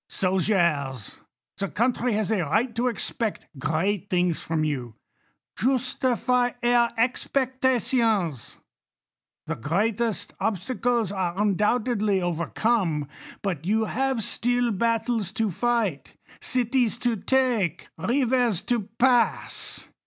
Soldiers, the country has a right to expect great things from you ; justify her expectations. The great est obstacles are undoubtedly overcome ; but you have still battles to fight, cities to take, rivers to pass.